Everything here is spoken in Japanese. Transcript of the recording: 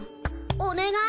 おねがい！